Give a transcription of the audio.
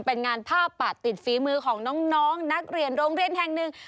เป็นงานผ้าปะติดฝีมือของน้องนักเรียนโรงเรียนแห่งหนึ่ง